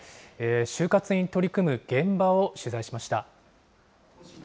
終活に取り組む現場を取材しました。